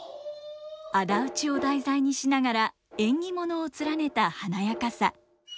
仇討ちを題材にしながら縁起物を連ねた華やかさ。